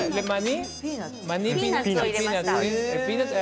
ピーナツを入れました。